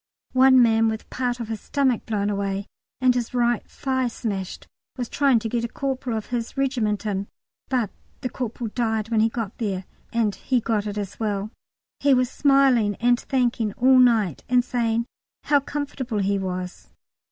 One man with part of his stomach blown away and his right thigh smashed was trying to get a corporal of his regiment in, but the corporal died when he got there, and he got it as well. He was smiling and thanking all night, and saying how comfortable he was.